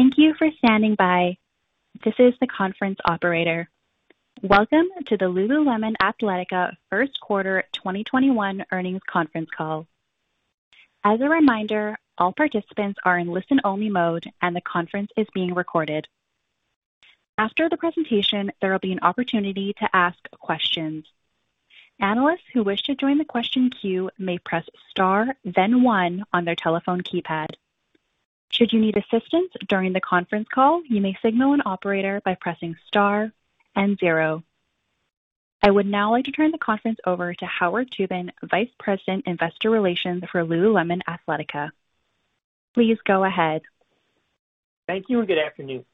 Welcome to the Lululemon Athletica First Quarter 2021 Earnings Conference Call. As a reminder, all participants are in listen-only mode and the conference is being recorded. After the presentation, there will be an opportunity to ask questions. Analysts who wish to join the question queue may press star then one on their telephone keypad. Should you need assistance during the conference call, you may signal an operator by pressing star and zero. I would now like to turn the conference over to Howard Tubin, Vice President, Investor Relations for Lululemon Athletica. Please go ahead. Thank you and good afternoon.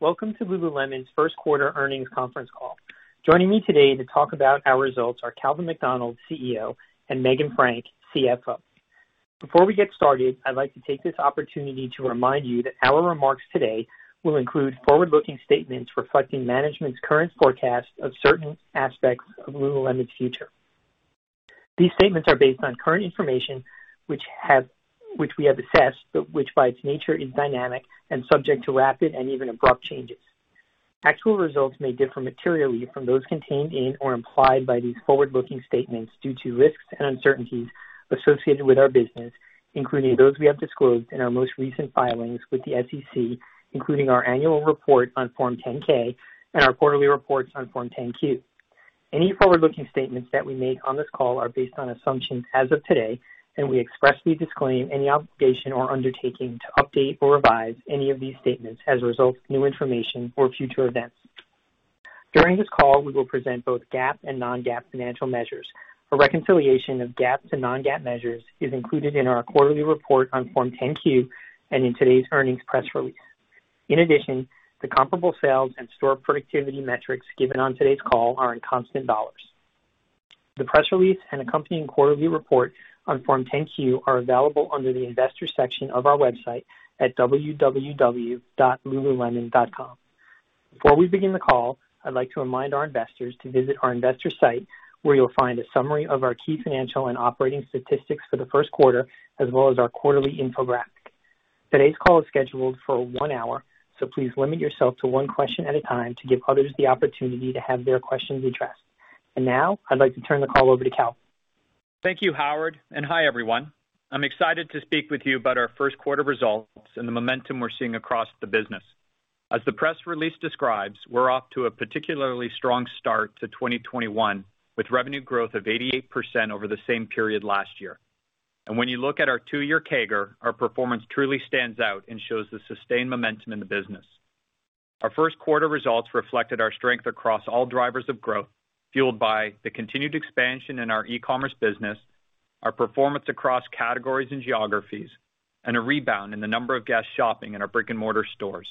Welcome to Lululemon's first quarter earnings conference call. Joining me today to talk about our results are Calvin McDonald, CEO, and Meghan Frank, CFO. Before we get started, I'd like to take this opportunity to remind you that our remarks today will include forward-looking statements reflecting management's current forecast of certain aspects of Lululemon's future. These statements are based on current information which we have assessed, but which by its nature is dynamic and subject to rapid and even abrupt changes. Actual results may differ materially from those contained in or implied by these forward-looking statements due to risks and uncertainties associated with our business, including those we have disclosed in our most recent filings with the SEC, including our annual report on Form 10-K and our quarterly reports on Form 10-Q. Any forward-looking statements that we make on this call are based on assumptions as of today, and we expressly disclaim any obligation or undertaking to update or revise any of these statements as a result of new information or future events. During the call, we will present both GAAP and non-GAAP financial measures. A reconciliation of GAAP to non-GAAP measures is included in our quarterly report on Form 10-Q and in today's earnings press release. In addition, the comparable sales and store productivity metrics given on today's call are in constant dollars. The press release and accompanying quarterly report on Form 10-Q are available under the Investors section of our website at www.lululemon.com. Before we begin the call, I'd like to remind our investors to visit our investor site, where you'll find a summary of our key financial and operating statistics for the first quarter, as well as our quarterly info graph. Today's call is scheduled for one hour, so please limit yourself to one question at a time to give others the opportunity to have their questions addressed. Now, I'd like to turn the call over to Cal. Thank you, Howard, and hi, everyone. I'm excited to speak with you about our first quarter results and the momentum we're seeing across the business. As the press release describes, we're off to a particularly strong start to 2021, with revenue growth of 88% over the same period last year. When you look at our two-year CAGR, our performance truly stands out and shows the sustained momentum in the business. Our first quarter results reflected our strength across all drivers of growth, fueled by the continued expansion in our e-commerce business, our performance across categories and geographies, and a rebound in the number of guests shopping in our brick-and-mortar stores.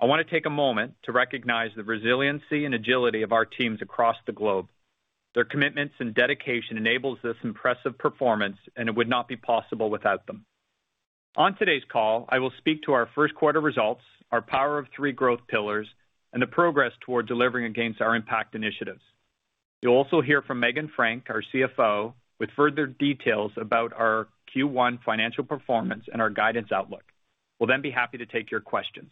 I want to take a moment to recognize the resiliency and agility of our teams across the globe. Their commitments and dedication enables this impressive performance, and it would not be possible without them. On today's call, I will speak to our first quarter results, our Power of Three growth pillars, and the progress toward delivering against our impact initiatives. You'll also hear from Meghan Frank, our CFO, with further details about our Q1 financial performance and our guidance outlook. We'll then be happy to take your questions.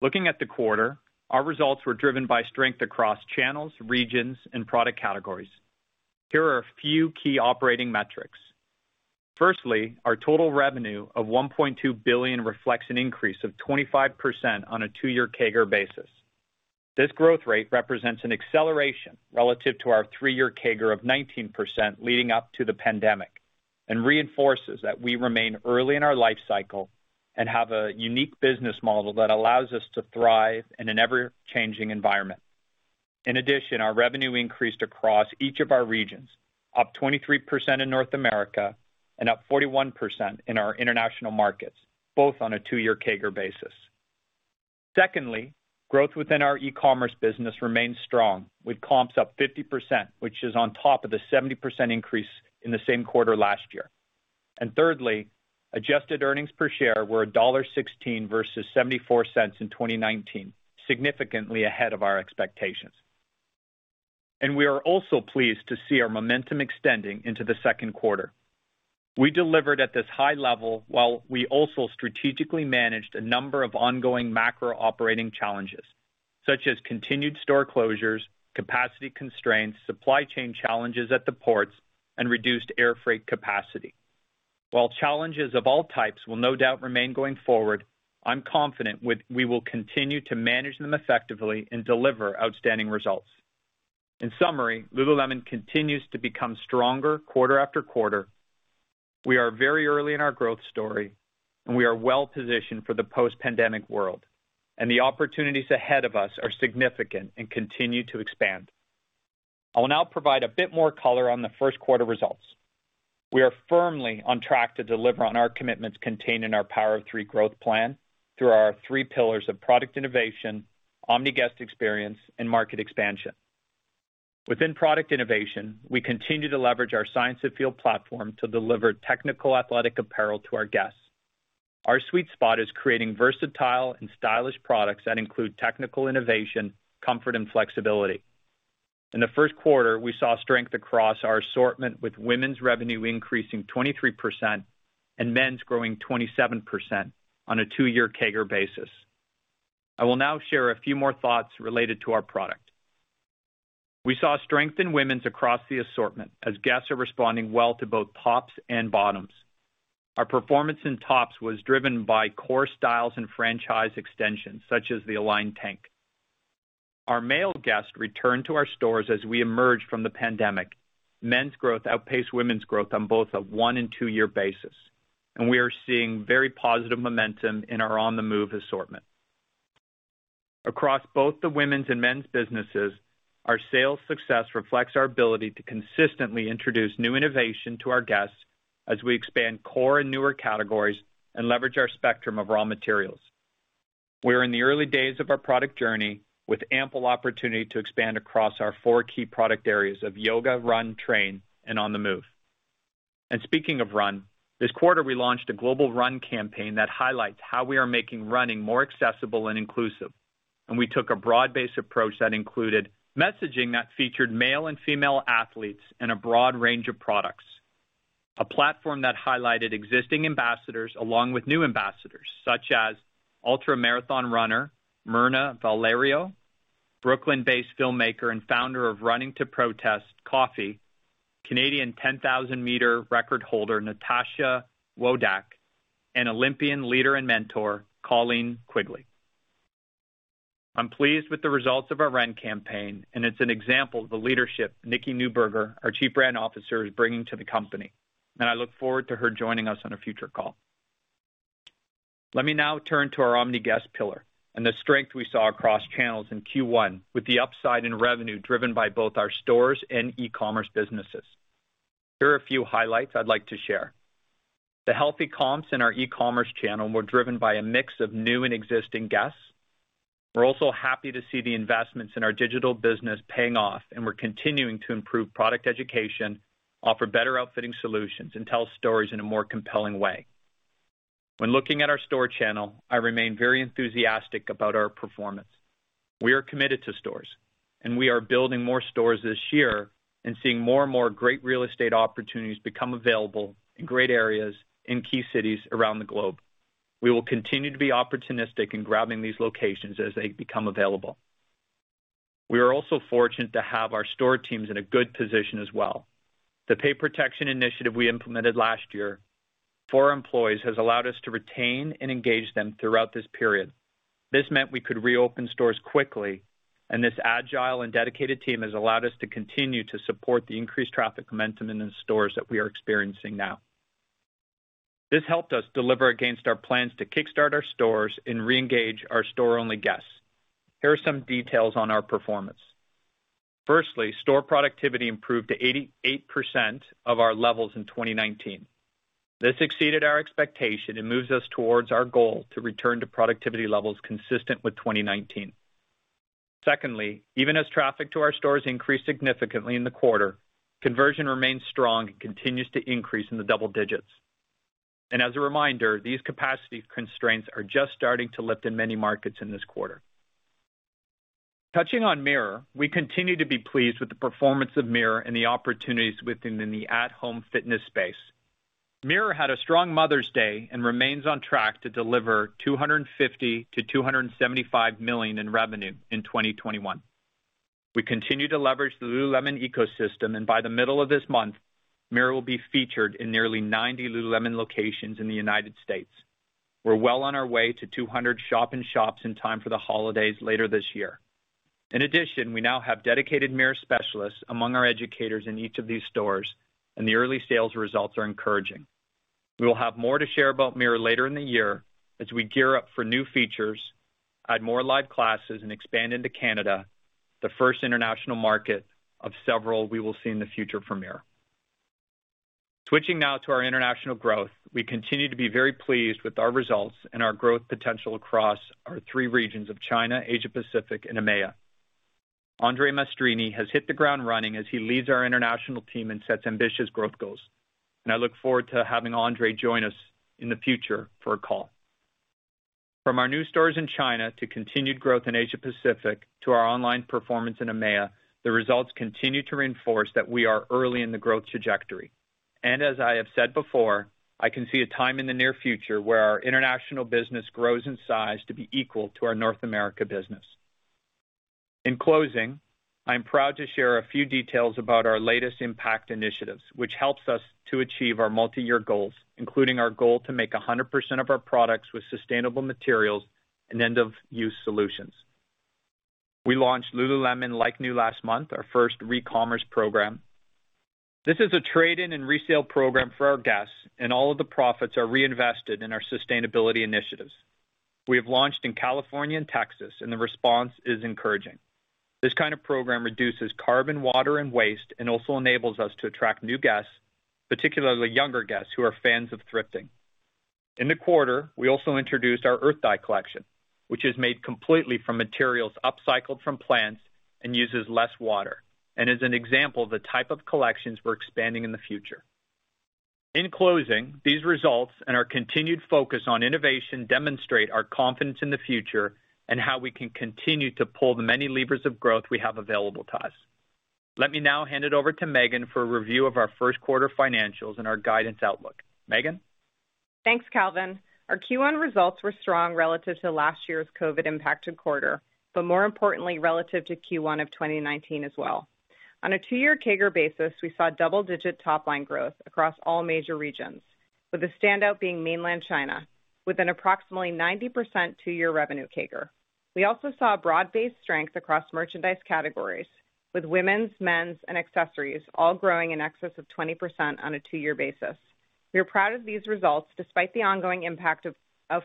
Looking at the quarter, our results were driven by strength across channels, regions, and product categories. Here are a few key operating metrics. Firstly, our total revenue of $1.2 billion reflects an increase of 25% on a two-year CAGR basis. This growth rate represents an acceleration relative to our three-year CAGR of 19% leading up to the pandemic, and reinforces that we remain early in our life cycle and have a unique business model that allows us to thrive in an ever-changing environment. In addition, our revenue increased across each of our regions, up 23% in North America and up 41% in our international markets, both on a two-year CAGR basis. Secondly, growth within our e-commerce business remains strong, with comps up 50%, which is on top of the 70% increase in the same quarter last year. Thirdly, adjusted EPS were $1.16 versus $0.74 in 2019, significantly ahead of our expectations. We are also pleased to see our momentum extending into the second quarter. We delivered at this high level while we also strategically managed a number of ongoing macro operating challenges, such as continued store closures, capacity constraints, supply chain challenges at the ports, and reduced air freight capacity. While challenges of all types will no doubt remain going forward, I'm confident we will continue to manage them effectively and deliver outstanding results. In summary, Lululemon continues to become stronger quarter after quarter. We are very early in our growth story, and we are well-positioned for the post-pandemic world, and the opportunities ahead of us are significant and continue to expand. I will now provide a bit more color on the first quarter results. We are firmly on track to deliver on our commitments contained in our Power of Three growth plan through our three pillars of product innovation, omni-guest experience, and market expansion. Within product innovation, we continue to leverage our Science of Feel platform to deliver technical athletic apparel to our guests. Our sweet spot is creating versatile and stylish products that include technical innovation, comfort, and flexibility. In the first quarter, we saw strength across our assortment with women's revenue increasing 23% and men's growing 27% on a two-year CAGR basis. I will now share a few more thoughts related to our product. We saw strength in women's across the assortment as guests are responding well to both tops and bottoms. Our performance in tops was driven by core styles and franchise extensions such as the Align Tank. Our male guests returned to our stores as we emerged from the pandemic. Men's growth outpaced women's growth on both a one and two-year basis. We are seeing very positive momentum in our On the Move assortment. Across both the women's and men's businesses, our sales success reflects our ability to consistently introduce new innovation to our guests as we expand core and newer categories and leverage our spectrum of raw materials. We are in the early days of our product journey with ample opportunity to expand across our four key product areas of yoga, run, train, and On the Move. Speaking of run, this quarter we launched a global run campaign that highlights how we are making running more accessible and inclusive. A platform that highlighted existing ambassadors along with new ambassadors such as ultramarathon runner Mirna Valerio, Brooklyn-based filmmaker and founder of Running to Protest, Coffey, Canadian 10,000 m record holder Natasha Wodak, and Olympian leader and mentor Colleen Quigley. I'm pleased with the results of our run campaign, and it's an example of the leadership Nikki Neuburger, our chief brand officer, is bringing to the company, and I look forward to her joining us on a future call. Let me now turn to our omni-guest pillar and the strength we saw across channels in Q1 with the upside in revenue driven by both our stores and e-commerce businesses. Here are a few highlights I'd like to share. The healthy comps in our e-commerce channel were driven by a mix of new and existing guests. We're also happy to see the investments in our digital business paying off, and we're continuing to improve product education, offer better outfitting solutions, and tell stories in a more compelling way. When looking at our store channel, I remain very enthusiastic about our performance. We are committed to stores, and we are building more stores this year and seeing more and more great real estate opportunities become available in great areas in key cities around the globe. We will continue to be opportunistic in grabbing these locations as they become available. We are also fortunate to have our store teams in a good position as well. The pay protection initiative we implemented last year for employees has allowed us to retain and engage them throughout this period. This meant we could reopen stores quickly, and this agile and dedicated team has allowed us to continue to support the increased traffic momentum in stores that we are experiencing now. This helped us deliver against our plans to kickstart our stores and reengage our store-only guests. Here are some details on our performance. Firstly, store productivity improved to 88% of our levels in 2019. This exceeded our expectation and moves us towards our goal to return to productivity levels consistent with 2019. Secondly, even as traffic to our stores increased significantly in the quarter, conversion remained strong and continues to increase in the double digits. As a reminder, these capacity constraints are just starting to lift in many markets in this quarter. Touching on Mirror, we continue to be pleased with the performance of Mirror and the opportunities within the at-home fitness space. Mirror had a strong Mother's Day and remains on track to deliver $250 million-$275 million in revenue in 2021. We continue to leverage the Lululemon ecosystem, and by the middle of this month, Mirror will be featured in nearly 90 Lululemon locations in the U.S. We're well on our way to 200 shop-in-shops in time for the holidays later this year. In addition, we now have dedicated Mirror specialists among our educators in each of these stores, and the early sales results are encouraging. We will have more to share about Mirror later in the year as we gear up for new features, add more live classes, and expand into Canada, the first international market of several we will see in the future for Mirror. Switching now to our international growth. We continue to be very pleased with our results and our growth potential across our three regions of China, Asia Pacific, and EMEA. André Maestrini has hit the ground running as he leads our international team and sets ambitious growth goals. I look forward to having André join us in the future for a call. From our new stores in China to continued growth in Asia Pacific to our online performance in EMEA, the results continue to reinforce that we are early in the growth trajectory. As I have said before, I can see a time in the near future where our international business grows in size to be equal to our North America business. In closing, I'm proud to share a few details about our latest impact initiatives, which helps us to achieve our multi-year goals, including our goal to make 100% of our products with sustainable materials and end-of-use solutions. We launched Lululemon Like New last month, our first re-commerce program. This is a trade-in and resale program for our guests, and all of the profits are reinvested in our sustainability initiatives. We have launched in California and Texas, and the response is encouraging. This kind of program reduces carbon, water, and waste and also enables us to attract new guests, particularly the younger guests who are fans of thrifting. In the quarter, we also introduced our Earth Dye collection, which is made completely from materials upcycled from plants and uses less water and is an example of the type of collections we're expanding in the future. In closing, these results and our continued focus on innovation demonstrate our confidence in the future and how we can continue to pull the many levers of growth we have available to us. Let me now hand it over to Meghan for a review of our first quarter financials and our guidance outlook. Meghan? Thanks, Calvin. Our Q1 results were strong relative to last year's COVID-impacted quarter, but more importantly, relative to Q1 of 2019 as well. On a two-year CAGR basis, we saw double-digit top-line growth across all major regions, with the standout being Mainland China, with an approximately 90% two-year revenue CAGR. We also saw broad-based strength across merchandise categories, with women's, men's, and accessories all growing in excess of 20% on a two-year basis. We are proud of these results despite the ongoing impact of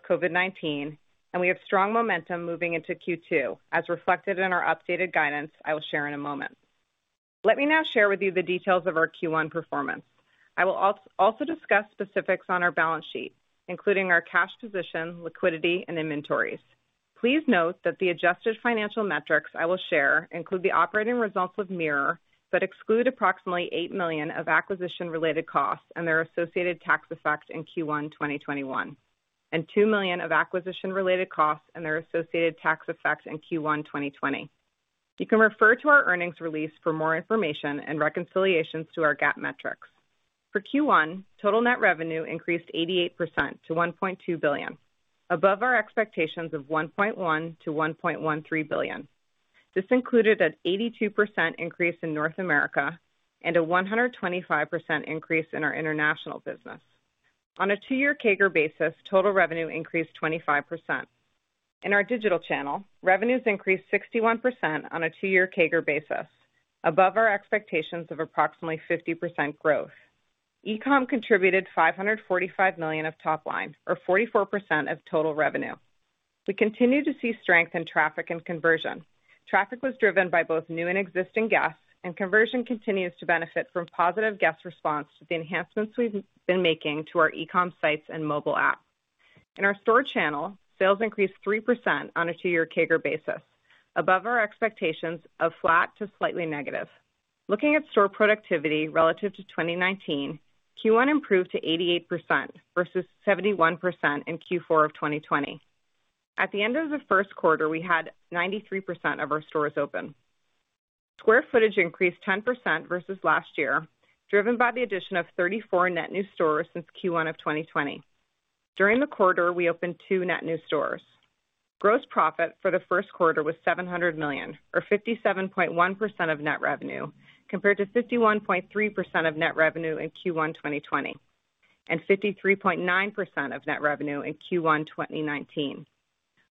COVID-19, and we have strong momentum moving into Q2, as reflected in our updated guidance I will share in a moment. Let me now share with you the details of our Q1 performance. I will also discuss specifics on our balance sheet, including our cash position, liquidity, and inventories. Please note that the adjusted financial metrics I will share include the operating results of Mirror, but exclude approximately $8 million of acquisition-related costs and their associated tax effects in Q1 2021, and $2 million of acquisition-related costs and their associated tax effects in Q1 2020. You can refer to our earnings release for more information and reconciliations to our GAAP metrics. For Q1, total net revenue increased 88% to $1.2 billion, above our expectations of $1.1 billion-$1.13 billion. This included an 82% increase in North America and a 125% increase in our international business. On a two-year CAGR basis, total revenue increased 25%. In our digital channel, revenues increased 61% on a two-year CAGR basis, above our expectations of approximately 50% growth. E-com contributed $545 million of top-line, or 44% of total revenue. We continue to see strength in traffic and conversion. Traffic was driven by both new and existing guests. Conversion continues to benefit from positive guest response to the enhancements we've been making to our e-com sites and mobile apps. In our store channel, sales increased 3% on a two-year CAGR basis, above our expectations of flat to slightly negative. Looking at store productivity relative to 2019, Q1 improved to 88% versus 71% in Q4 of 2020. At the end of the first quarter, we had 93% of our stores open. Square footage increased 10% versus last year, driven by the addition of 34 net new stores since Q1 of 2020. During the quarter, we opened two net new stores. Gross profit for the first quarter was $700 million, or 57.1% of net revenue, compared to 51.3% of net revenue in Q1 2020, and 53.9% of net revenue in Q1 2019.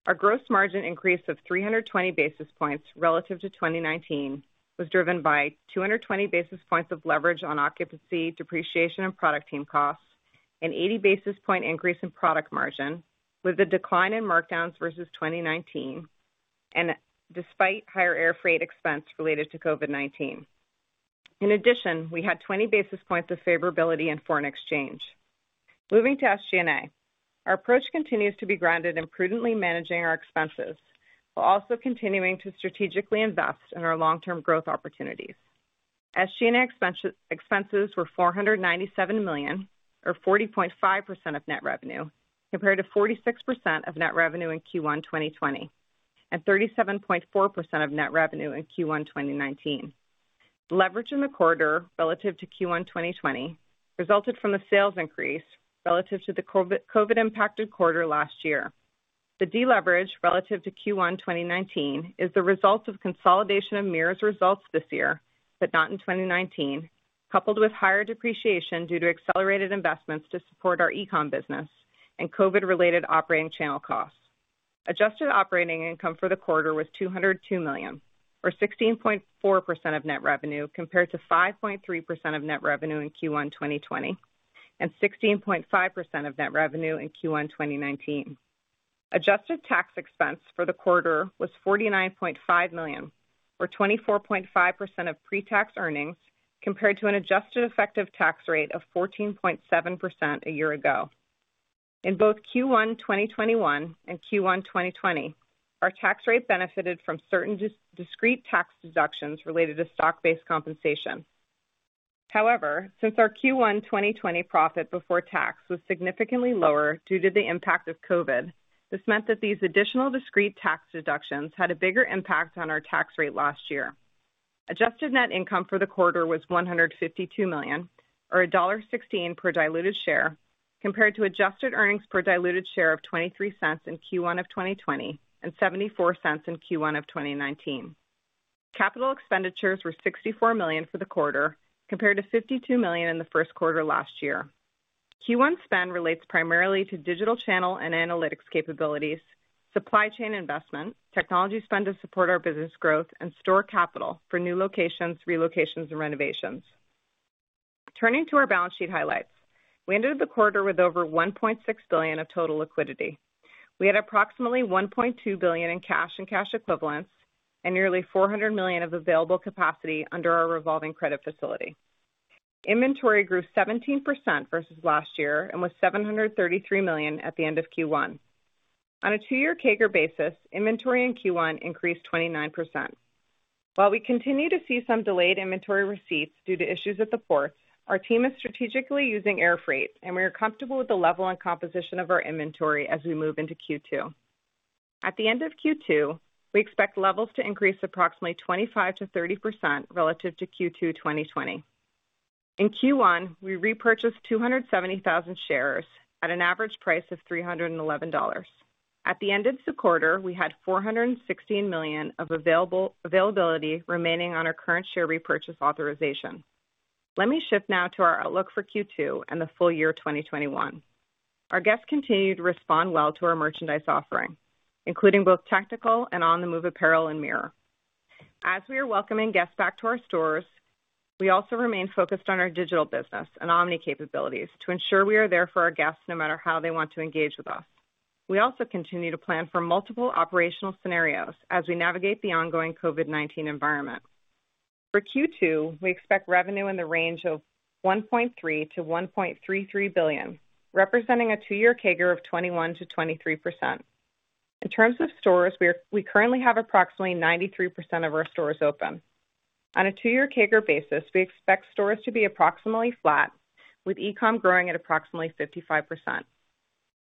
Our gross margin increase of 320 basis points relative to 2019 was driven by 220 basis points of leverage on occupancy, depreciation, and product team costs, an 80 basis point increase in product margin with a decline in markdowns versus 2019, and despite higher air freight expense related to COVID-19. In addition, we had 20 basis points of favorability in foreign exchange. Moving to SG&A. Our approach continues to be grounded in prudently managing our expenses, while also continuing to strategically invest in our long-term growth opportunities. SG&A expenses were $497 million, or 40.5% of net revenue, compared to 46% of net revenue in Q1 2020, and 37.4% of net revenue in Q1 2019. Leverage in the quarter relative to Q1 2020 resulted from the sales increase relative to the COVID-impacted quarter last year. The deleverage relative to Q1 2019 is the result of consolidation of Mirror's results this year, but not in 2019, coupled with higher depreciation due to accelerated investments to support our e-com business and COVID-related operating channel costs. Adjusted operating income for the quarter was $202 million, or 16.4% of net revenue, compared to 5.3% of net revenue in Q1 2020, and 16.5% of net revenue in Q1 2019. Adjusted tax expense for the quarter was $49.5 million, or 24.5% of pre-tax earnings, compared to an adjusted effective tax rate of 14.7% a year ago. In both Q1 2021 and Q1 2020, our tax rate benefited from certain discrete tax deductions related to stock-based compensation. However, since our Q1 2020 profit before tax was significantly lower due to the impact of COVID, this meant that these additional discrete tax deductions had a bigger impact on our tax rate last year. Adjusted net income for the quarter was $152 million, or $1.16 per diluted share, compared to adjusted earnings per diluted share of $0.23 in Q1 of 2020 and $0.74 in Q1 of 2019. Capital expenditures were $64 million for the quarter, compared to $52 million in the first quarter last year. Q1 spend relates primarily to digital channel and analytics capabilities, supply chain investments, technology spend to support our business growth, and store capital for new locations, relocations, and renovations. Turning to our balance sheet highlights. We ended the quarter with over $1.6 billion of total liquidity. We had approximately $1.2 billion in cash and cash equivalents and nearly $400 million of available capacity under our revolving credit facility. Inventory grew 17% versus last year and was $733 million at the end of Q1. On a two-year CAGR basis, inventory in Q1 increased 29%. While we continue to see some delayed inventory receipts due to issues at the port, our team is strategically using air freight, and we are comfortable with the level and composition of our inventory as we move into Q2. At the end of Q2, we expect levels to increase approximately 25%-30% relative to Q2 2020. In Q1, we repurchased 270,000 shares at an average price of $311. At the end of the quarter, we had $416 million of availability remaining on our current share repurchase authorization. Let me shift now to our outlook for Q2 and the full year 2021. Our guests continue to respond well to our merchandise offering, including both technical and On The Move apparel in Mirror. As we are welcoming guests back to our stores, we also remain focused on our digital business and omni-capabilities to ensure we are there for our guests no matter how they want to engage with us. We also continue to plan for multiple operational scenarios as we navigate the ongoing COVID-19 environment. For Q2, we expect revenue in the range of $1.3 billion to $1.33 billion, representing a two-year CAGR of 21%-23%. In terms of stores, we currently have approximately 93% of our stores open. On a two-year CAGR basis, we expect stores to be approximately flat, with e-com growing at approximately 55%.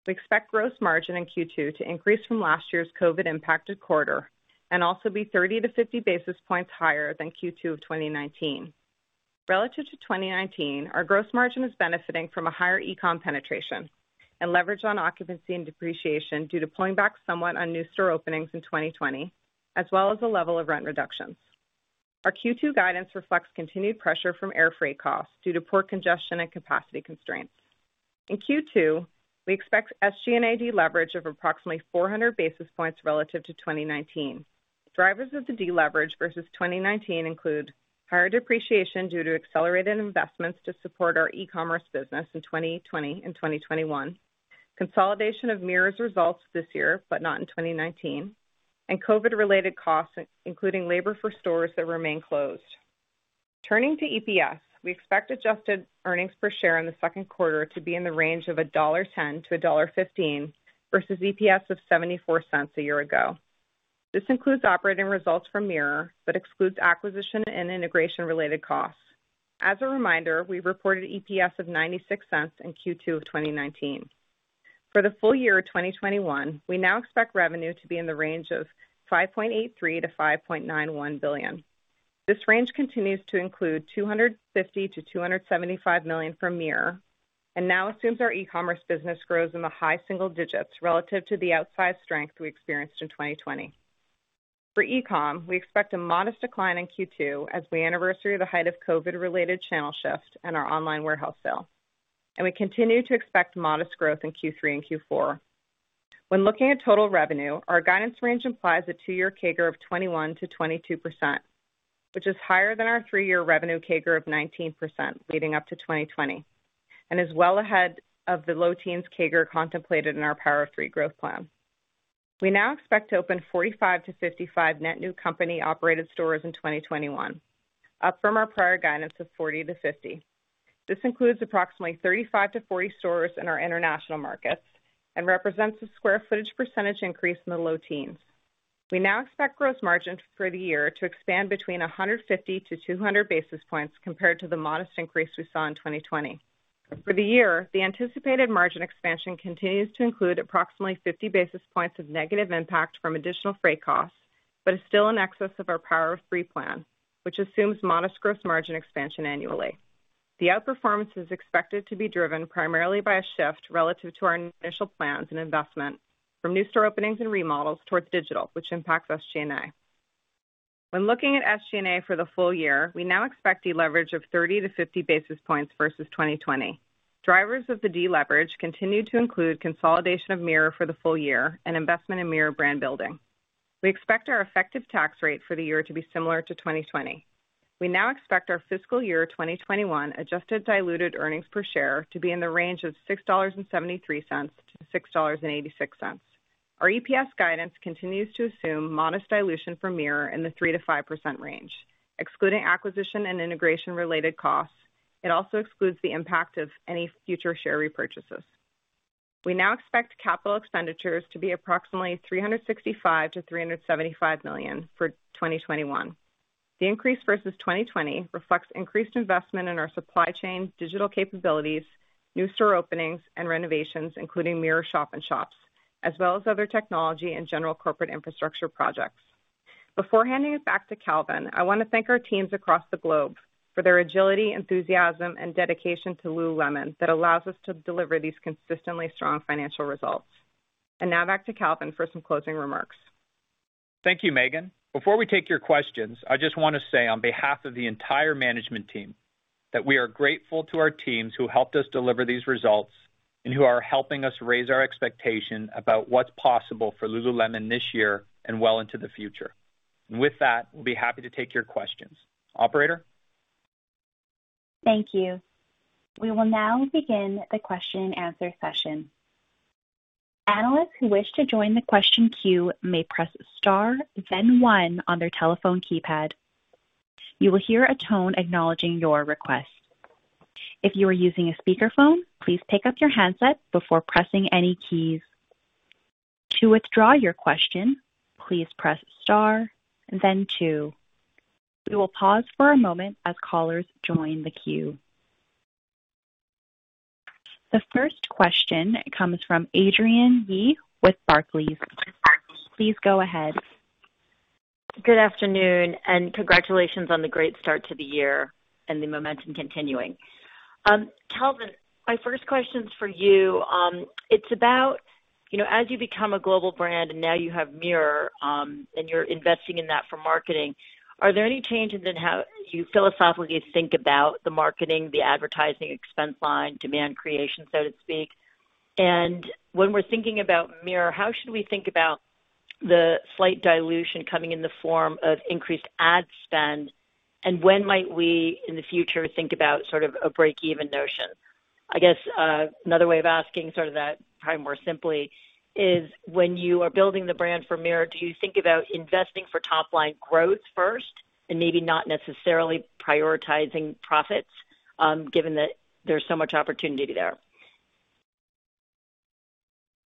We expect gross margin in Q2 to increase from last year's COVID-impacted quarter and also be 30-50 basis points higher than Q2 of 2019. Relative to 2019, our gross margin is benefiting from a higher e-com penetration and leverage on occupancy and depreciation due to pulling back somewhat on new store openings in 2020, as well as the level of rent reductions. Our Q2 guidance reflects continued pressure from air freight costs due to port congestion and capacity constraints. In Q2, we expect SG&A deleverage of approximately 400 basis points relative to 2019. Drivers of the deleverage versus 2019 include higher depreciation due to accelerated investments to support our e-commerce business in 2020 and 2021, consolidation of Mirror's results this year, but not in 2019, and COVID-related costs, including labor for stores that remain closed. Turning to EPS, we expect adjusted earnings per share in the second quarter to be in the range of $1.10 to $1.15 versus EPS of $0.74 a year ago. This includes operating results from Mirror, excludes acquisition and integration-related costs. As a reminder, we reported EPS of $0.96 in Q2 of 2019. For the full year of 2021, we now expect revenue to be in the range of $5.83 billion-$5.91 billion. This range continues to include $250 million-$275 million from Mirror and now assumes our e-commerce business grows in the high single digits relative to the outsized strength we experienced in 2020. For e-com, we expect a modest decline in Q2 as we anniversary the height of COVID-related channel shifts and our online warehouse sale. We continue to expect modest growth in Q3 and Q4. When looking at total revenue, our guidance range implies a two-year CAGR of 21%-22%, which is higher than our three-year revenue CAGR of 19% leading up to 2020, and is well ahead of the low teens CAGR contemplated in our Power of Three growth plan. We now expect to open 45-55 net new company-operated stores in 2021, up from our prior guidance of 40-50. This includes approximately 35-40 stores in our international markets and represents a square footage percentage increase in the low teens. We now expect gross margins for the year to expand between 150-200 basis points compared to the modest increase we saw in 2020. For the year, the anticipated margin expansion continues to include approximately 50 basis points of negative impact from additional freight costs, but is still in excess of our Power of Three plan, which assumes modest gross margin expansion annually. The outperformance is expected to be driven primarily by a shift relative to our initial plans and investment from new store openings and remodels towards digital, which impact SG&A. When looking at SG&A for the full year, we now expect deleverage of 30-50 basis points versus 2020. Drivers of the deleverage continue to include consolidation of Mirror for the full year and investment in Mirror brand building. We expect our effective tax rate for the year to be similar to 2020. We now expect our fiscal year 2021 adjusted diluted earnings per share to be in the range of $6.73-$6.86. Our EPS guidance continues to assume modest dilution for Mirror in the 3%-5% range, excluding acquisition and integration-related costs. It also excludes the impact of any future share repurchases. We now expect capital expenditures to be approximately $365 million-$375 million for 2021. The increase versus 2020 reflects increased investment in our supply chain, digital capabilities, new store openings, and renovations, including Mirror shop-in-shops, as well as other technology and general corporate infrastructure projects. Before handing it back to Calvin, I want to thank our teams across the globe for their agility, enthusiasm, and dedication to Lululemon that allows us to deliver these consistently strong financial results. Now back to Calvin for some closing remarks. Thank you, Meghan. Before we take your questions, I just want to say on behalf of the entire management team that we are grateful to our teams who helped us deliver these results and who are helping us raise our expectations about what's possible for Lululemon this year and well into the future. With that, we'll be happy to take your questions. Operator? Thank you. We will now begin the question and answer session. Analysts who wish to join the question queue may press star then one on their telephone keypad. You will hear a tone acknowledging your request. If you are using a speakerphone, please pick up your handset before pressing any keys. To withdraw your question, please press star then two. We will pause for a moment as callers join the queue. The first question comes from Adrienne Yih with Barclays. Please go ahead. Congratulations on the great start to the year and the momentum continuing. Calvin, my first question's for you. As you become a global brand, and now you have Mirror, and you're investing in that for marketing, are there any changes in how you philosophically think about the marketing, the advertising expense line, demand creation, so to speak? When we're thinking about Mirror, how should we think about the slight dilution coming in the form of increased ad spend? When might we, in the future, think about a breakeven notion? I guess, another way of asking that probably more simply is when you are building the brand for Mirror, do you think about investing for top-line growth first and maybe not necessarily prioritizing profits, given that there's so much opportunity there?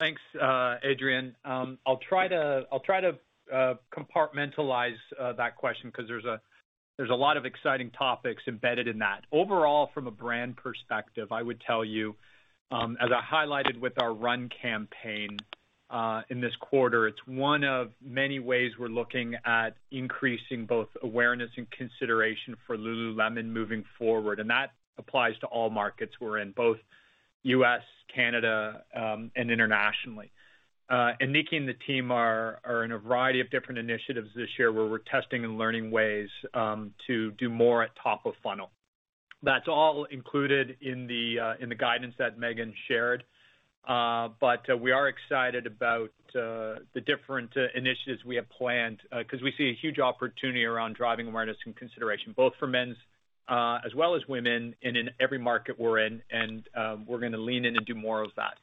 Thanks, Adrienne. I'll try to compartmentalize that question because there's a lot of exciting topics embedded in that. Overall, from a brand perspective, I would tell you, as I highlighted with our run campaign in this quarter, it's one of many ways we're looking at increasing both awareness and consideration for Lululemon moving forward. That applies to all markets we're in, both U.S., Canada, and internationally. Nikki and the team are in a variety of different initiatives this year, where we're testing and learning ways to do more at top of funnel. That's all included in the guidance that Meghan shared. We are excited about the different initiatives we have planned because we see a huge opportunity around driving awareness and consideration, both for men's as well as women, and in every market we're in, and we're going to lean in and do more of that.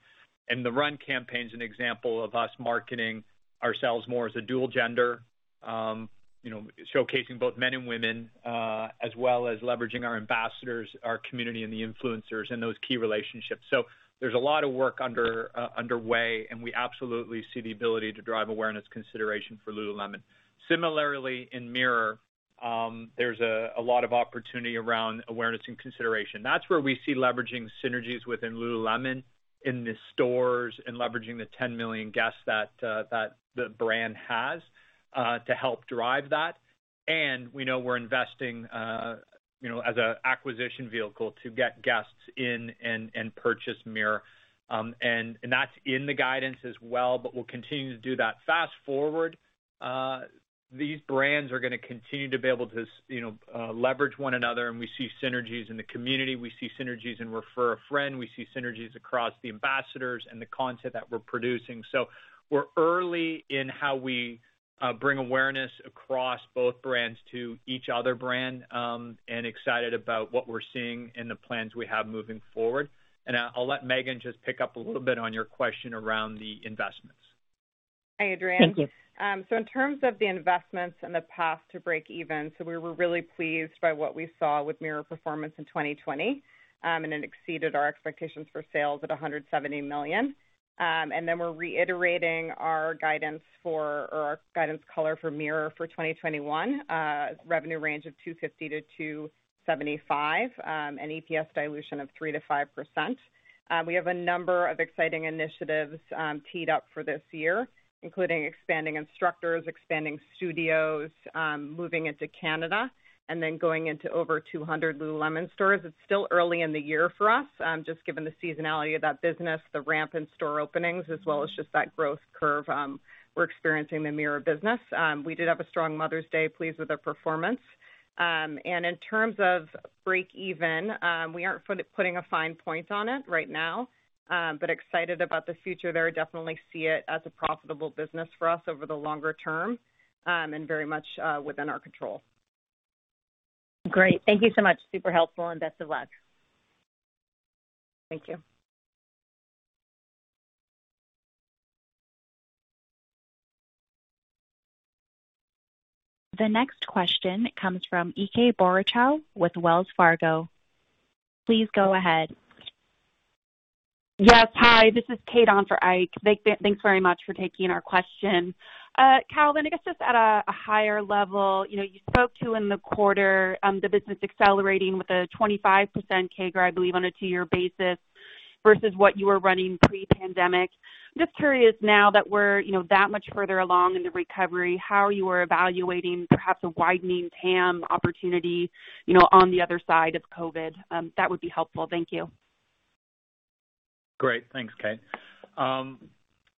The run campaign's an example of us marketing ourselves more as a dual gender, showcasing both men and women, as well as leveraging our ambassadors, our community, and the influencers, and those key relationships. There's a lot of work underway, and we absolutely see the ability to drive awareness consideration for Lululemon. Similarly, in Mirror, there's a lot of opportunity around awareness and consideration. That's where we see leveraging synergies within Lululemon, in the stores, and leveraging the 10 million guests that the brand has to help drive that. We know we're investing as an acquisition vehicle to get guests in and purchase Mirror. That's in the guidance as well, but we'll continue to do that. Fast-forward, these brands are going to continue to be able to leverage one another. We see synergies in the community, we see synergies in refer-a-friend, we see synergies across the ambassadors and the content that we're producing. We're early in how we bring awareness across both brands to each other brand, and excited about what we're seeing and the plans we have moving forward. I'll let Meghan just pick up a little bit on your question around the investments. Hi, Adrienne. Thank you. In terms of the investments and the path to breakeven, we were really pleased by what we saw with Mirror performance in 2020, and it exceeded our expectations for sales at $170 million. We're reiterating our guidance call for Mirror for 2021, revenue range of $250 million-$275 million, and EPS dilution of 3%-5%. We have a number of exciting initiatives teed up for this year, including expanding instructors, expanding studios, moving into Canada, and then going into over 200 Lululemon stores. It's still early in the year for us, just given the seasonality of that business, the ramp in store openings, as well as just that growth curve we're experiencing in the Mirror business. We did have a strong Mother's Day, pleased with the performance. In terms of breakeven, we aren't putting a fine point on it right now. Excited about the future there, definitely see it as a profitable business for us over the longer term, and very much within our control. Great. Thank you so much. Super helpful and best of luck. Thank you. The next question comes from Ike Boruchow with Wells Fargo. Please go ahead. Yes, hi, this is Kate Dunn for Ike. Thanks very much for taking our question. Calvin, I guess just at a higher level, you spoke to in the quarter the business accelerating with a 25% CAGR, I believe, on a two-year basis versus what you were running pre-pandemic. Just curious now that we're that much further along in the recovery, how you are evaluating perhaps a widening TAM opportunity on the other side of COVID? That would be helpful. Thank you. Great. Thanks, Kate.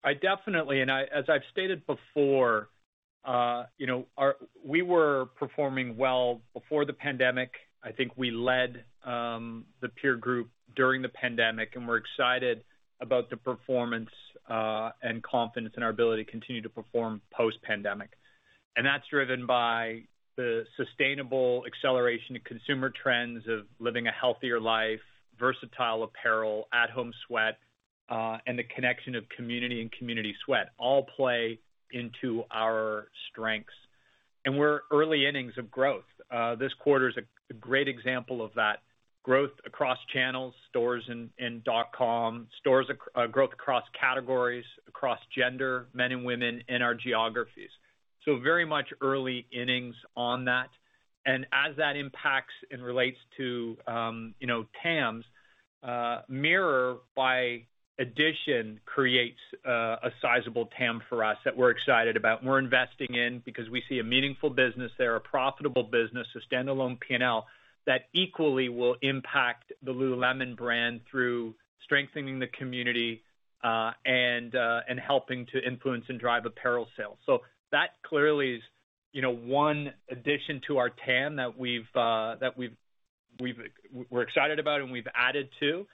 I definitely, as I've stated before, we were performing well before the pandemic. I think we led the peer group during the pandemic, and we're excited about the performance, and confidence in our ability to continue to perform post-pandemic. That's driven by the sustainable acceleration to consumer trends of living a healthier life, versatile apparel, at-home sweat, and the connection of community and community sweat all play into our strengths. We're early innings of growth. This quarter is a great example of that. Growth across channels, stores and dot.com. Growth across categories, across gender, men and women in our geographies. Very much early innings on that. As that impacts and relates to TAMs, Mirror by addition creates a sizable TAM for us that we're excited about and we're investing in because we see a meaningful business there, a profitable business, a standalone P&L that equally will impact the Lululemon brand through strengthening the community, and helping to influence and drive apparel sales. That clearly is one addition to our TAM that we're excited about and we've added to.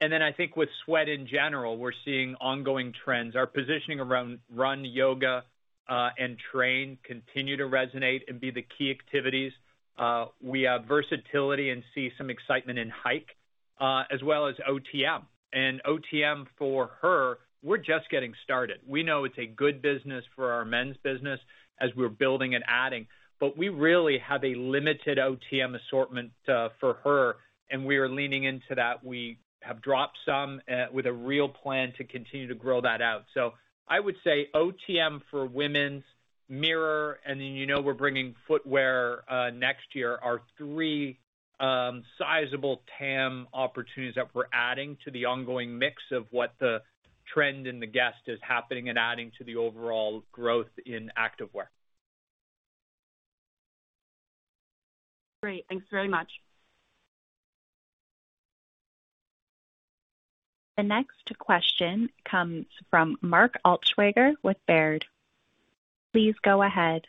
I think with sweat in general, we're seeing ongoing trends. Our positioning around run yoga and train continue to resonate and be the key activities. We have versatility and see some excitement in hike, as well as OTM. OTM for her, we're just getting started. We know it's a good business for our men's business as we're building and adding. We really have a limited OTM assortment for her. We are leaning into that. We have dropped some with a real plan to continue to grow that out. I would say OTM for women's, Mirror, you know we're bringing footwear next year, are three sizable TAM opportunities that we're adding to the ongoing mix of what the trend in the guest is happening and adding to the overall growth in active wear. Great. Thanks very much. The next question comes from Mark Altschwager with Baird. Please go ahead.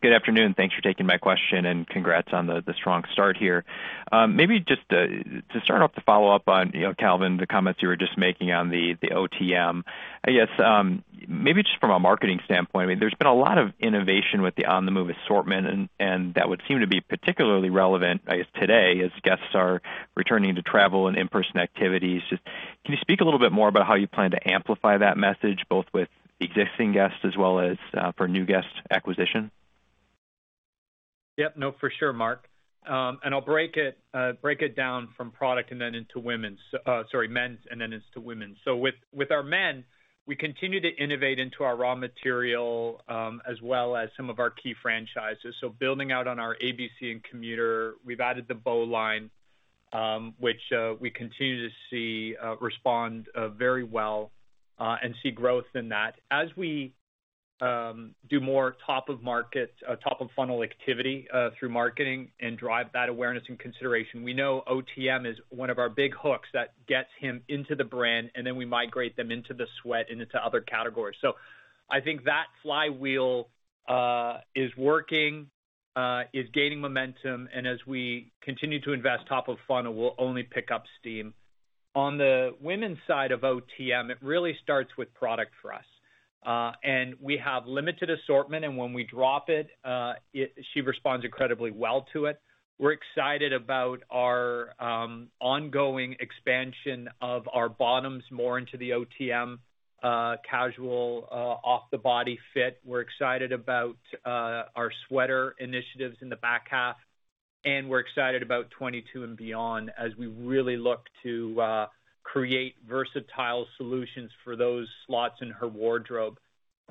Good afternoon. Thanks for taking my question, and congrats on the strong start here. Maybe just to start off the follow-up on, Calvin, the comments you were just making on the OTM. I guess, maybe just from a marketing standpoint, there's been a lot of innovation with the on-the-move assortment, and that would seem to be particularly relevant, I guess today, as guests are returning to travel and in-person activities. Can you speak a little bit more about how you plan to amplify that message, both with existing guests as well as for new guest acquisition? Yeah. No, for sure, Mark. I'll break it down from product and then into women's. Sorry, men's and then into women's. With our men, we continue to innovate into our raw material, as well as some of our key franchises. Building out on our ABC and Commission, we've added the Bowline, which we continue to see respond very well, and see growth in that. As we do more top of funnel activity through marketing and drive that awareness and consideration, we know OTM is one of our big hooks that gets him into the brand, and then we migrate them into the sweat and into other categories. I think that flywheel is working, is gaining momentum, and as we continue to invest top of funnel, will only pick up steam. On the women's side of OTM, it really starts with product for us. We have limited assortment, and when we drop it, she responds incredibly well to it. We're excited about our ongoing expansion of our bottoms more into the OTM, casual off-the-body fit. We're excited about our sweater initiatives in the back half, and we're excited about 2022 and beyond as we really look to create versatile solutions for those slots in her wardrobe.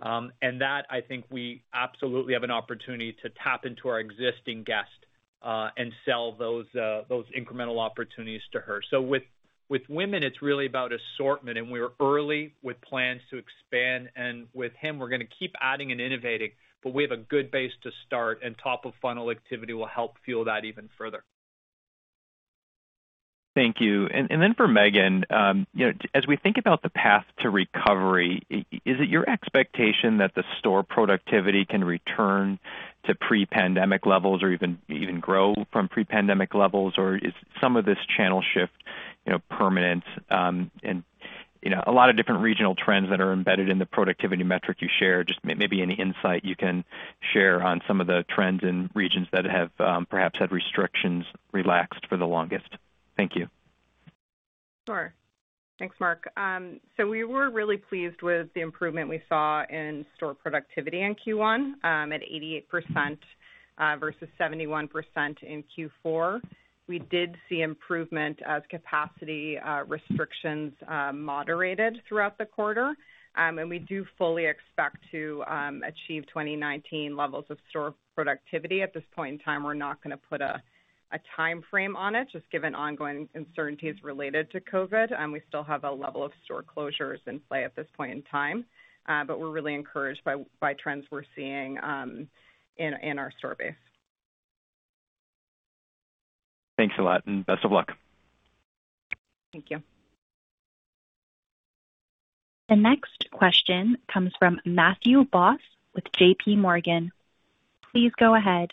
That, I think we absolutely have an opportunity to tap into our existing guest, and sell those incremental opportunities to her. With women, it's really about assortment, and we're early with plans to expand. With him, we're going to keep adding and innovating, but we have a good base to start, and top of funnel activity will help fuel that even further. Thank you. Then for Meghan Frank, as we think about the path to recovery, is it your expectation that the store productivity can return to pre-pandemic levels or even grow from pre-pandemic levels? Is some of this channel shift permanent? A lot of different regional trends that are embedded in the productivity metric you shared, just maybe any insight you can share on some of the trends in regions that have perhaps had restrictions relaxed for the longest. Thank you. Sure. Thanks, Mark. We were really pleased with the improvement we saw in store productivity in Q1, at 88% versus 71% in Q4. We did see improvement as capacity restrictions moderated throughout the quarter, and we do fully expect to achieve 2019 levels of store productivity. At this point in time, we're not going to put a timeframe on it, just given ongoing uncertainties related to COVID, and we still have a level of store closures in play at this point in time. We're really encouraged by trends we're seeing in our surveys. Thanks a lot, and best of luck. Thank you. The next question comes from Matthew Boss with JPMorgan. Please go ahead.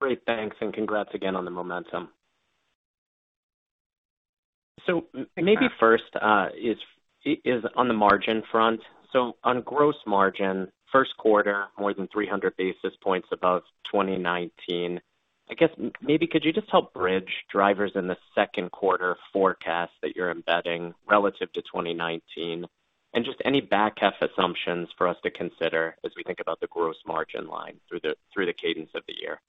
Great. Thanks, congrats again on the momentum. Maybe first is on the margin front. On gross margin, first quarter, more than 300 basis points above 2019. I guess maybe could you just help bridge drivers in the second quarter forecast that you're embedding relative to 2019, and just any back-half assumptions for us to consider as we think about the gross margin line through the cadence of the year?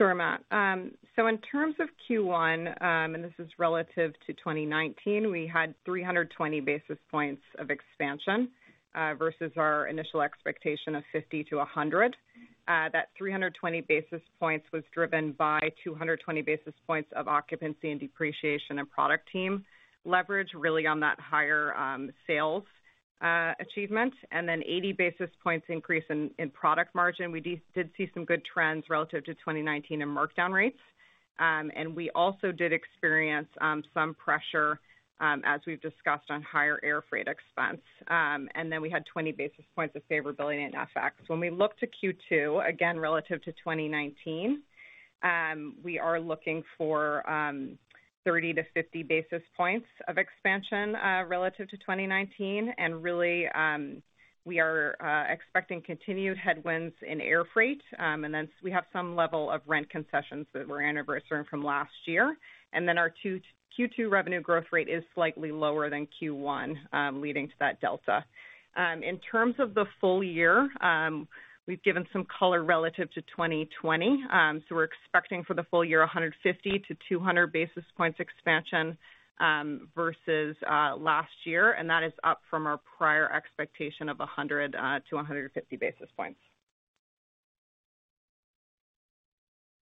Sure, Matt. In terms of Q1, and this is relative to 2019, we had 320 basis points of expansion versus our initial expectation of 50-100 basis points. That 320 basis points was driven by 220 basis points of occupancy and depreciation and product team leverage really on that higher sales achievement, and then 80 basis points increase in product margin. We did see some good trends relative to 2019 in markdown rates. We also did experience some pressure, as we've discussed, on higher air freight expense. We had 20 basis points of favorability in FX. When we look to Q2, again relative to 2019, we are looking for 30-50 basis points of expansion relative to 2019, and really, we are expecting continued headwinds in air freight. Then we have some level of rent concessions that we're anniversarying from last year, and then our Q2 revenue growth rate is slightly lower than Q1, leading to that delta. In terms of the full year, we've given some color relative to 2020. We're expecting for the full year 150 basis points-200 basis points expansion versus last year, and that is up from our prior expectation of 100 basis points-150 basis points.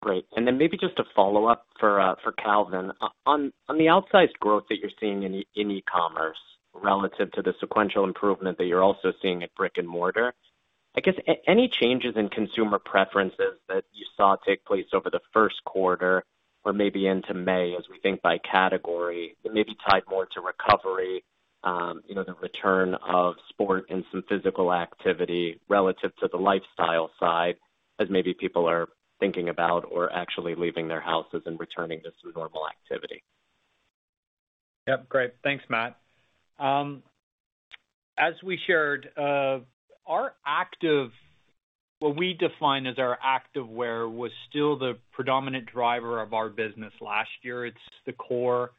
Great. Then maybe just a follow-up for Calvin. On the outsized growth that you're seeing in e-commerce relative to the sequential improvement that you're also seeing at brick-and-mortar, I guess, any changes in consumer preferences that you saw take place over the first quarter or maybe into May as we think by category, maybe tied more to recovery, the return of sport and some physical activity relative to the lifestyle side as maybe people are thinking about or actually leaving their houses and returning to some normal activity? Yep, great. Thanks, Matt. As we shared, what we define as our activewear was still the predominant driver of our business last year. It's the core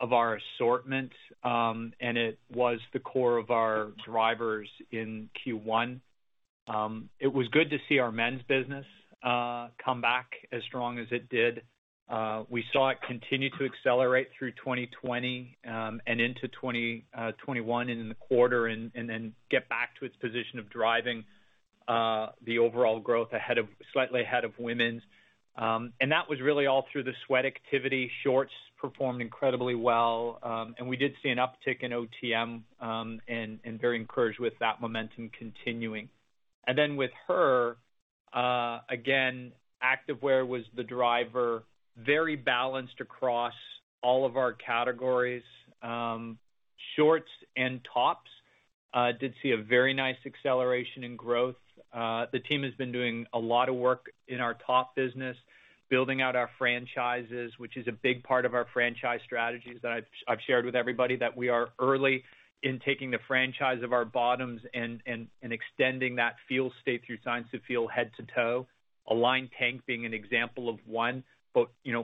of our assortment, and it was the core of our drivers in Q1. It was good to see our men's business come back as strong as it did. We saw it continue to accelerate through 2020 and into 2021 in the quarter and then get back to its position of driving the overall growth slightly ahead of women's. That was really all through the sweat activity. Shorts performed incredibly well, and we did see an uptick in OTM, and very encouraged with that momentum continuing. Then with her, again, activewear was the driver. Very balanced across all of our categories. Shorts and tops did see a very nice acceleration in growth. The team has been doing a lot of work in our top business, building out our franchises, which is a big part of our franchise strategy that I've shared with everybody that we are early in taking a franchise of our bottoms and extending that feel state through Science of Feel head to toe. lululemon Align Tank being an example of one.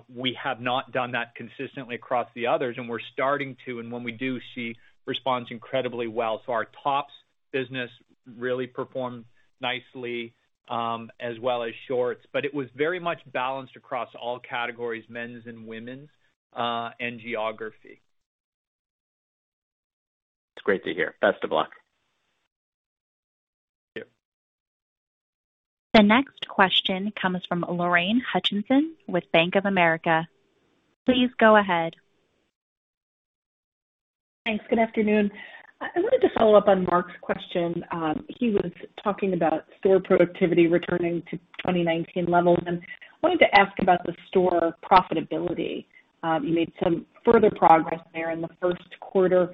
We have not done that consistently across the others, and we're starting to, and when we do, she responds incredibly well. Our tops business really performed nicely, as well as shorts, but it was very much balanced across all categories, men's and women's, and geography. That's great to hear. Best of luck. Thank you. The next question comes from Lorraine Hutchinson with Bank of America. Please go ahead. Thanks. Good afternoon. I wanted to follow up on Mark's question. He was talking about store productivity returning to 2019 levels, and wanted to ask about the store profitability. You made some further progress there in the first quarter.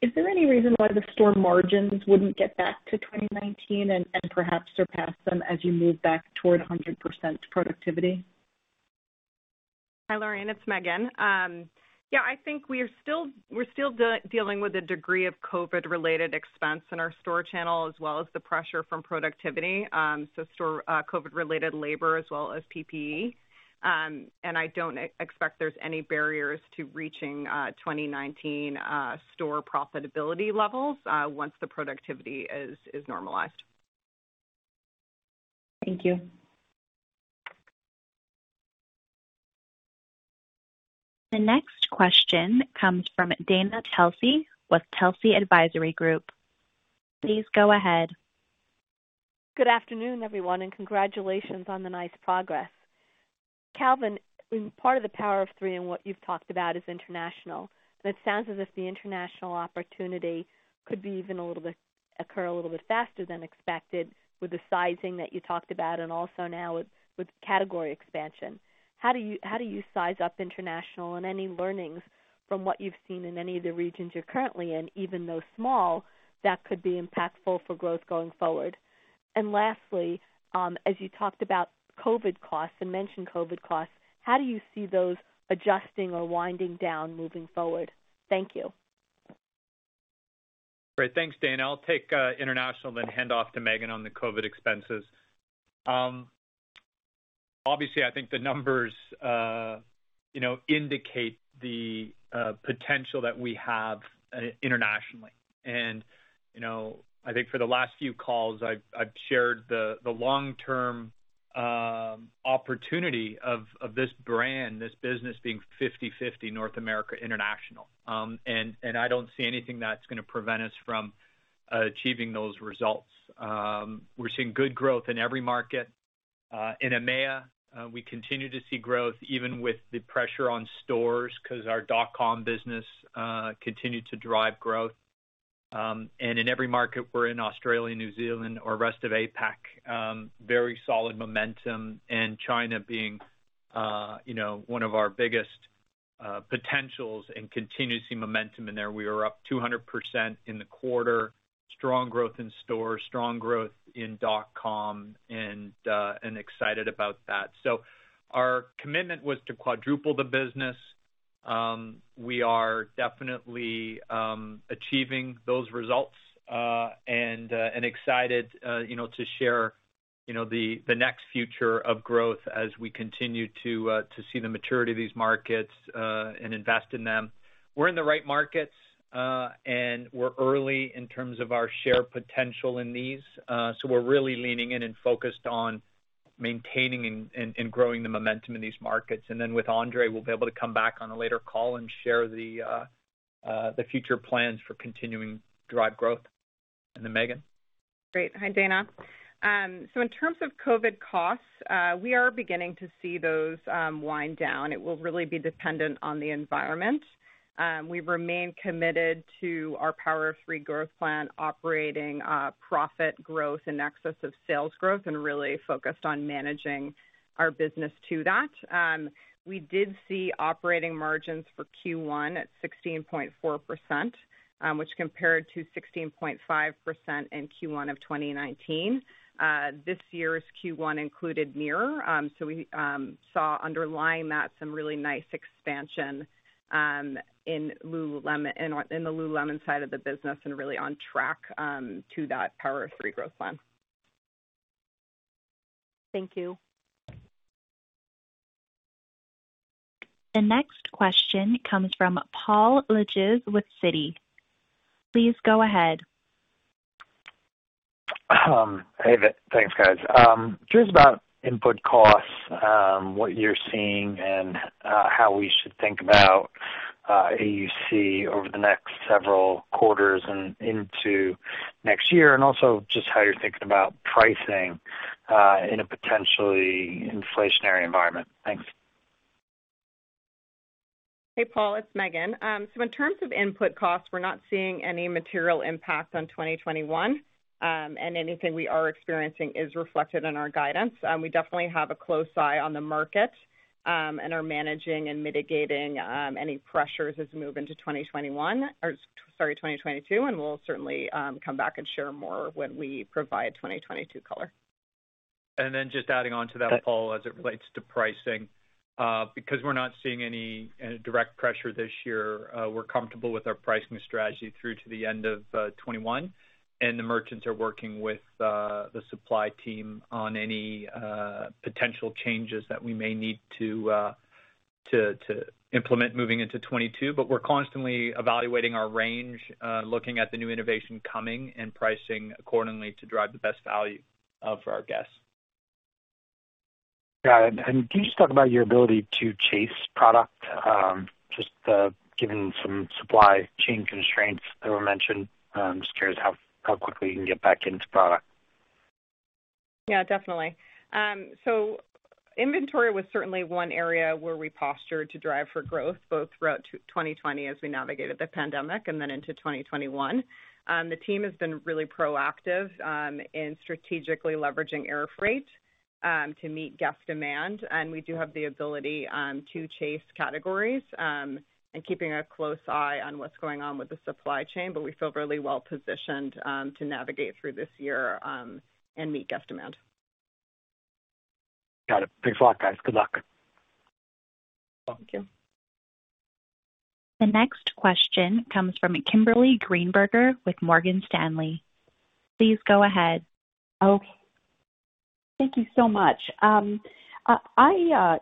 Is there any reason why the store margins wouldn't get back to 2019 and perhaps surpass them as you move back toward 100% productivity? Hi, Lorraine Hutchinson, it's Meghan Frank. Yeah, I think we're still dealing with a degree of COVID-related expense in our store channel, as well as the pressure from productivity, so COVID-related labor as well as PPE. I don't expect there's any barriers to reaching 2019 store profitability levels once the productivity is normalized. Thank you. The next question comes from Dana Telsey with Telsey Advisory Group. Please go ahead. Good afternoon, everyone. Congratulations on the nice progress. Calvin, part of the Power of Three and what you've talked about is international. It sounds as if the international opportunity could occur a little bit faster than expected with the sizing that you talked about and also now with category expansion. How do you size up international and any learnings from what you've seen in any of the regions you're currently in, even though small, that could be impactful for growth going forward? Lastly, as you talked about COVID costs and mentioned COVID costs, how do you see those adjusting or winding down moving forward? Thank you. Great. Thanks, Dana. I'll take international, then hand off to Meghan on the COVID expenses. Obviously, I think the numbers indicate the potential that we have internationally. I think for the last few calls, I've shared the long-term opportunity of this brand, this business being 50/50 North America International. I don't see anything that's going to prevent us from achieving those results. We're seeing good growth in every market. In EMEA, we continue to see growth even with the pressure on stores, because our dot-com business continued to drive growth. In every market we're in Australia, New Zealand, or rest of APAC, very solid momentum and China being one of our biggest potentials and continue to see momentum in there. We are up 200% in the quarter. Strong growth in stores, strong growth in dot-com, and excited about that. Our commitment was to quadruple the business. We are definitely achieving those results, excited to share the next future of growth as we continue to see the maturity of these markets, invest in them. We're in the right markets, we're early in terms of our share potential in these. We're really leaning in and focused on maintaining and growing the momentum in these markets. With André, we'll be able to come back on a later call and share the future plans for continuing to drive growth. To Meghan. Great. Hi, Dana. In terms of COVID costs, we are beginning to see those wind down. It will really be dependent on the environment. We remain committed to our Power of Three growth plan, operating profit growth in excess of sales growth, and really focused on managing our business to that. We did see operating margins for Q1 at 16.4%, which compared to 16.5% in Q1 of 2019. This year's Q1 included Mirror. We saw underlying that some really nice expansion in the Lululemon side of the business and really on track to that Power of Three growth plan. Thank you. The next question comes from Paul Lejuez with Citi. Please go ahead. Hey. Thanks, guys. Just about input costs, what you're seeing and how we should think about AUC over the next several quarters and into next year. Also just how you're thinking about pricing in a potentially inflationary environment. Thanks. Hey, Paul. It's Meghan. In terms of input costs, we're not seeing any material impact on 2021. Anything we are experiencing is reflected in our guidance. We definitely have a close eye on the market, and are managing and mitigating any pressures as we move into 2021, or sorry, 2022. We'll certainly come back and share more when we provide 2022 color. Just adding on to that, Paul, as it relates to pricing. Because we're not seeing any direct pressure this year, we're comfortable with our pricing strategy through to the end of 2021. The merchants are working with the supply team on any potential changes that we may need to implement moving into 2022. We're constantly evaluating our range, looking at the new innovation coming and pricing accordingly to drive the best value for our guests. Got it. Can you just talk about your ability to chase product? Just given some supply chain constraints that were mentioned, I'm just curious how quickly you can get back into product. Yeah, definitely. Inventory was certainly one area where we postured to drive for growth, both throughout 2020 as we navigated the pandemic and then into 2021. The team has been really proactive in strategically leveraging air freight to meet guest demand. And we do have the ability to chase categories, and keeping a close eye on what's going on with the supply chain. But we feel really well positioned to navigate through this year and meet guest demand. Got it. Thanks a lot, guys. Good luck. Thank you. The next question comes from Kimberly Greenberger with Morgan Stanley. Please go ahead. Thank you so much. I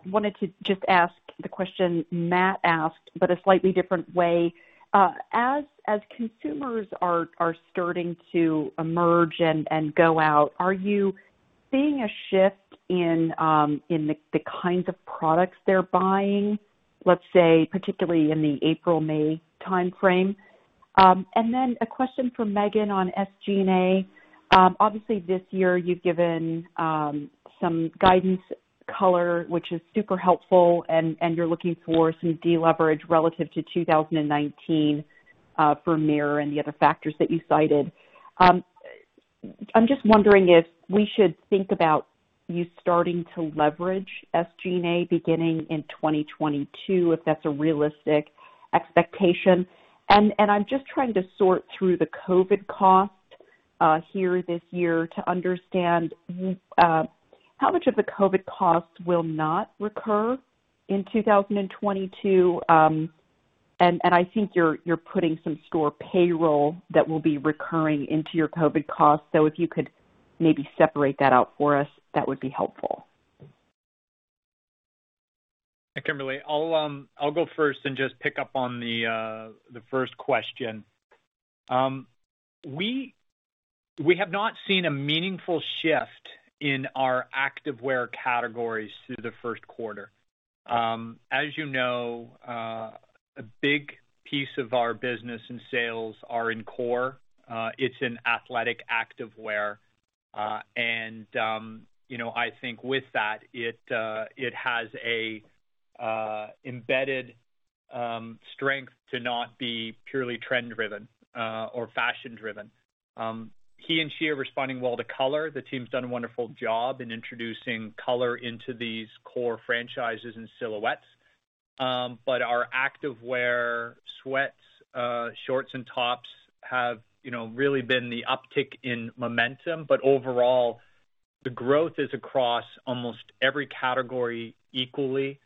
wanted to just ask the question Matthew Boss asked, a slightly different way. As consumers are starting to emerge and go out, are you seeing a shift in the kinds of products they're buying, let's say particularly in the April, May timeframe? A question for Meghan Frank on SG&A. Obviously, this year you've given some guidance color, which is super helpful, you're looking for some deleverage relative to 2019 for Mirror and the other factors that you cited. I'm just wondering if we should think about you starting to leverage SG&A beginning in 2022, if that's a realistic expectation. I'm just trying to sort through the COVID costs here this year to understand how much of the COVID costs will not recur in 2022. I think you're putting some store payroll that will be recurring into your COVID costs. If you could maybe separate that out for us, that would be helpful. Kimberly, I'll go first and just pick up on the first question. We have not seen a meaningful shift in our activewear categories through the first quarter. As you know, a big piece of our business and sales are in core. It's in athletic activewear. I think with that, it has a embedded strength to not be purely trend-driven or fashion-driven. He and she are responding well to color. The team's done a wonderful job in introducing color into these core franchises and silhouettes. Our activewear sweats, shorts, and tops have really been the uptick in momentum. But overall, the growth is across almost every category equally,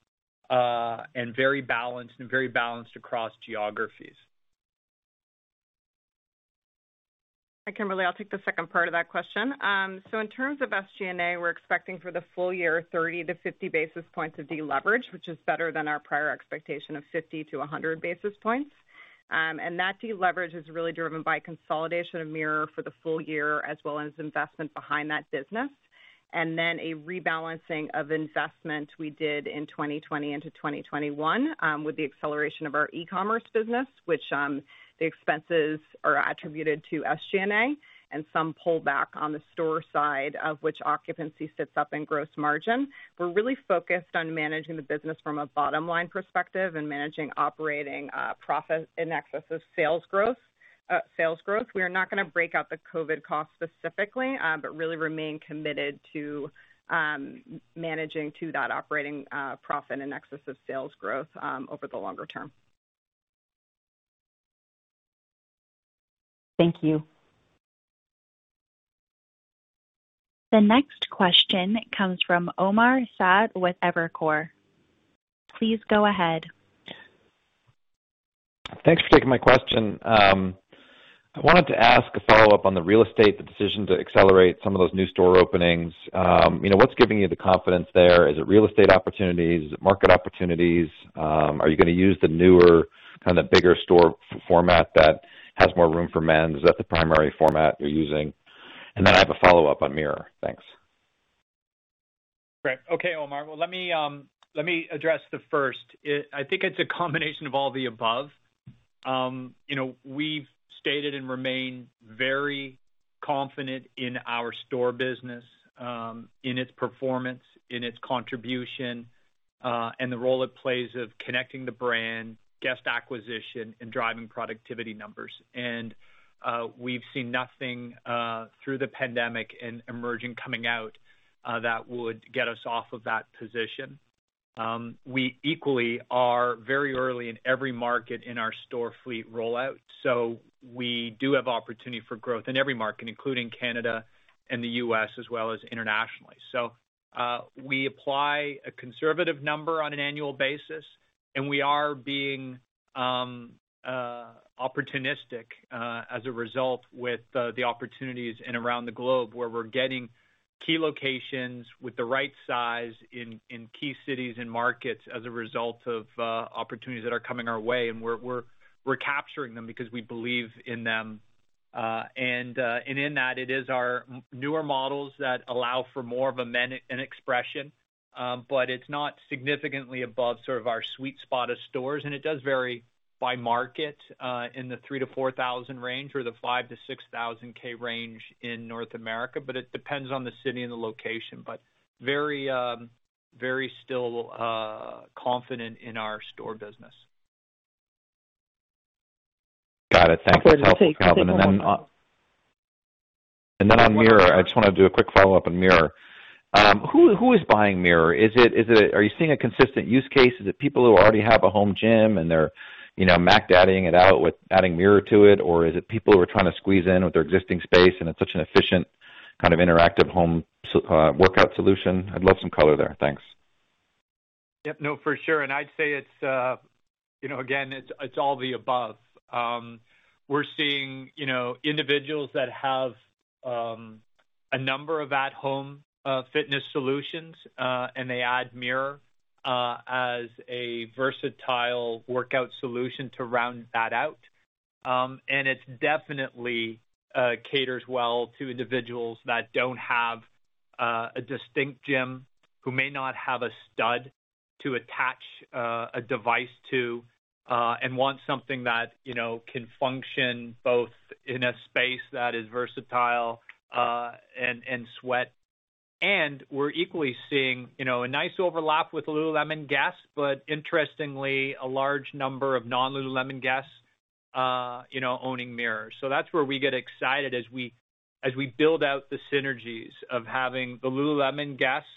and very balanced, and very balanced across geographies. Kimberly, I'll take the second part of that question. In terms of SG&A, we're expecting for the full year 30-50 basis points of deleverage, which is better than our prior expectation of 50-100 basis points. That deleverage is really driven by consolidation of Mirror for the full year, as well as investment behind that business. A rebalancing of investment we did in 2020 into 2021, with the acceleration of our e-commerce business, which the expenses are attributed to SG&A, and some pullback on the store side of which occupancy sits up in gross margin. We're really focused on managing the business from a bottom-line perspective and managing operating profit in excess of sales growth. We are not going to break out the COVID costs specifically, but really remain committed to managing to that operating profit in excess of sales growth over the longer term. Thank you. The next question comes from Omar Saad with Evercore. Please go ahead. Thanks for taking my question. I wanted to ask a follow-up on the real estate, the decision to accelerate some of those new store openings. What's giving you the confidence there? Is it real estate opportunities? Is it market opportunities? Are you going to use the newer, bigger store format that has more room for men? Is that the primary format you're using? I have a follow-up on Mirror. Thanks. Great. Okay, Omar, let me address the first. I think it's a combination of all the above. We've stated and remain very confident in our store business, in its performance, in its contribution, and the role it plays of connecting the brand, guest acquisition, and driving productivity numbers. We've seen nothing through the pandemic and emerging coming out that would get us off of that position. We equally are very early in every market in our store fleet rollout. We do have opportunity for growth in every market, including Canada and the U.S., as well as internationally. We apply a conservative number on an annual basis, and we are being opportunistic as a result with the opportunities and around the globe where we're getting key locations with the right size in key cities and markets as a result of opportunities that are coming our way, and we're capturing them because we believe in them. In that, it is our newer models that allow for more of an expression. It's not significantly above sort of our sweet spot of stores, and it does vary by market, in the 3,000-4,000 range or the 5,000-6,000 range in North America. It depends on the city and the location. Very still confident in our store business. Got it. Thanks. On Mirror, I just want to do a quick follow-up on Mirror. Who is buying Mirror? Are you seeing a consistent use case? Is it people who already have a home gym and they're maxing it out with adding Mirror to it, or is it people who are trying to squeeze in with their existing space, and it's such an efficient kind of interactive home workout solution? I'd love some color there. Thanks. Yeah, no, for sure. I'd say, again, it's all the above. We're seeing individuals that have a number of at-home fitness solutions, and they add Mirror as a versatile workout solution to round that out. It definitely caters well to individuals that don't have a distinct gym, who may not have a stud to attach a device to, and want something that can function both in a space that is versatile and sweat. We're equally seeing a nice overlap with Lululemon guests, but interestingly, a large number of non-Lululemon guests owning Mirrors. That's where we get excited as we build out the synergies of having the Lululemon guests,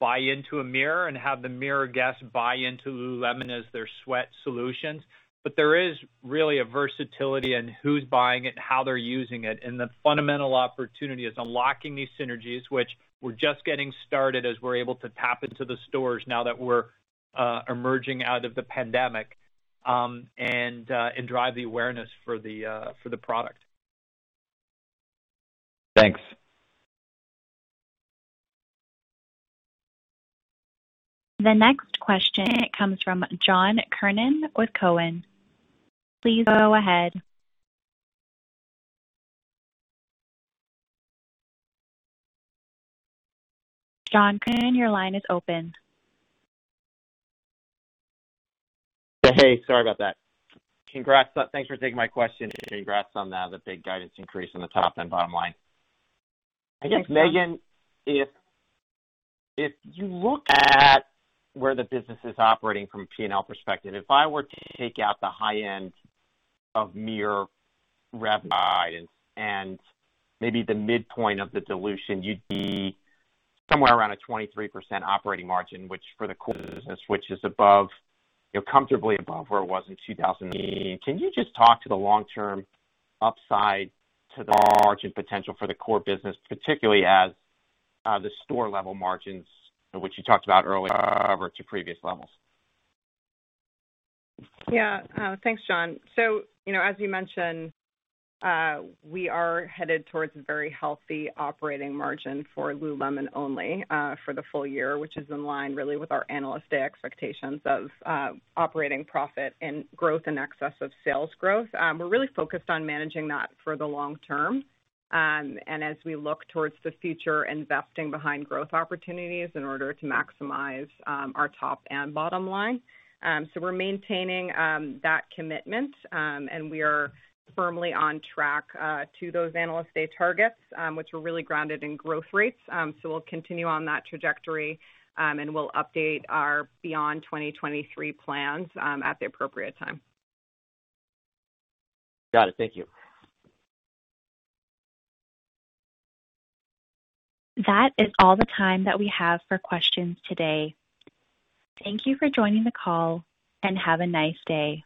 buy into a Mirror and have the Mirror guests buy into Lululemon as their sweat solutions. There is really a versatility in who's buying it, how they're using it, and the fundamental opportunity is unlocking these synergies, which we're just getting started as we're able to tap into the stores now that we're emerging out of the pandemic, and drive the awareness for the product. Thanks. The next question comes from John Kernan with Cowen. Please go ahead. John Kernan, your line is open. Sorry about that. Thanks for taking my question, and congrats on the big guidance increase on the top and bottom line. Thanks, John. I think, Meghan, if you look at where the business is operating from a P&L perspective, if I were to take out the high end of Mirror revenue guidance and maybe the midpoint of the dilution, you'd be somewhere around a 23% operating margin, which for the core business, which is comfortably above where it was in 2019. Can you just talk to the long-term upside to the margin potential for the core business, particularly as the store-level margins, which you talked about earlier, revert to previous levels? Yeah. Thanks, John. As you mentioned, we are headed towards a very healthy operating margin for Lululemon only for the full year, which is in line really with our Analyst Day expectations of operating profit and growth in excess of sales growth. We're really focused on managing that for the long term. As we look towards the future, investing behind growth opportunities in order to maximize our top and bottom line. We're maintaining that commitment, and we are firmly on track to those Analyst Day targets, which are really grounded in growth rates. We'll continue on that trajectory, and we'll update our beyond 2023 plans at the appropriate time. Got it. Thank you. That is all the time that we have for questions today. Thank you for joining the call, and have a nice day.